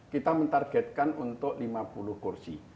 kita mentargetkan untuk lima puluh kursi